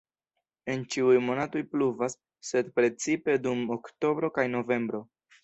En ĉiuj monatoj pluvas, sed precipe dum oktobro kaj novembro.